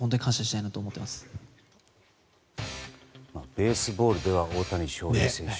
ベースボールでは大谷翔平選手